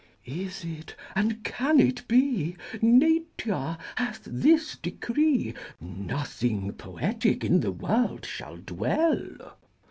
Is it, and can it be, Nature hath this decree, Nothing poetic in the world shall dwell?